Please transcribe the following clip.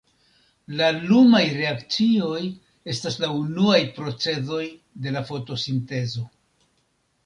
La lumaj reakcioj estas la unuaj procezoj de la fotosintezo.